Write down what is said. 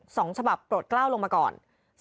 ๒ฉบับปรดเกล้าลงมาก่อน